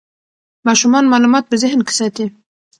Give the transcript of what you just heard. ماشومان معلومات په ذهن کې ساتي.